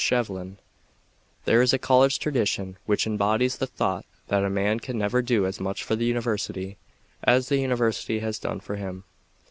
Shevlin There is a college tradition which embodies the thought that a man can never do as much for the university as the university has done for him.